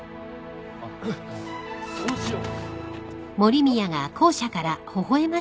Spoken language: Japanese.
あっうんそうしよう。